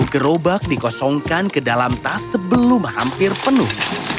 gerobak dikosongkan ke dalam tas sebelum hampir penuh